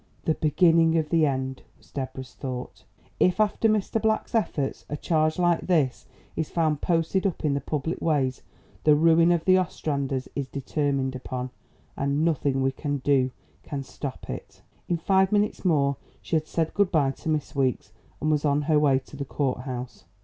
"The beginning of the end!" was Deborah's thought. "If after Mr. Black's efforts, a charge like this is found posted up in the public ways, the ruin of the Ostranders is determined upon, and nothing we can do can stop it." In five minutes more she had said good bye to Miss Weeks and was on her way to the courthouse.